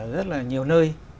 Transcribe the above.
rất là nhiều nơi